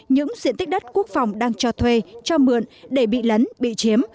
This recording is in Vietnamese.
những diện tích đất quốc phòng đang cho thuê cho mượn để bị lấn bị chiếm